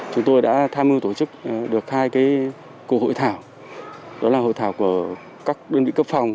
chúng tôi đã tham mưu tổ chức được hai cuộc hội thảo đó là hội thảo của các đơn vị cấp phòng